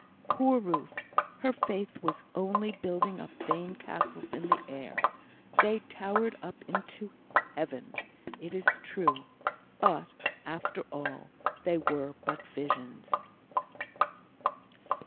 Poor Ruth! her faith was only building up vain castles in the air; they towered up into heaven, it is true, but, after all, they were but visions.